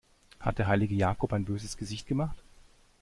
Hat der heilige Jakob ein böses Gesicht gemacht?